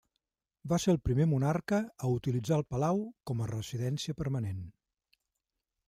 Va ser el primer monarca a utilitzar el palau com a residència permanent.